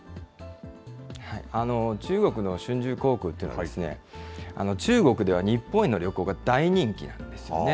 中国の春秋航空というのは、中国では日本への旅行が大人気ですよね。